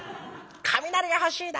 「雷が欲しいな。